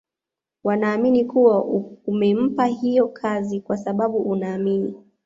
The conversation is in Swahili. wanaamini kuwa umempa hiyo kazi kwa sababu unaamini